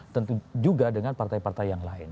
tentu juga dengan partai partai yang lain